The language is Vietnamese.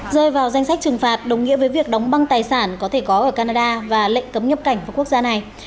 rơi vào danh sách trừng phạt đồng nghĩa với việc đóng băng tài sản có thể có ở canada và lệnh cấm nhập cảnh vào quốc gia này